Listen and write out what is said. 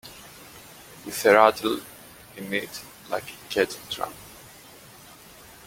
With a rattle in it like a kettle-drum.